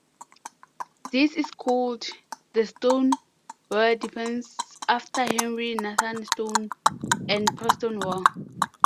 This is called the Stone-Ware Defense after Henry Nathan Stone and Preston Ware.